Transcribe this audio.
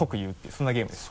そんなゲームです。